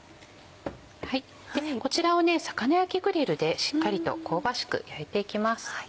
こちらを魚焼きグリルでしっかりと香ばしく焼いていきます。